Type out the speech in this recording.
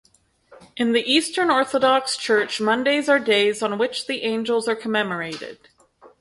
In the Eastern Orthodox Church Mondays are days on which the Angels are commemorated.